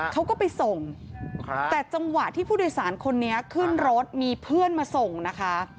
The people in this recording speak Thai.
เขาก็ไปส่งแต่จังหวะที่ผู้โดยสารคนนี้ขึ้นรถมีเพื่อนมาส่งนะคะ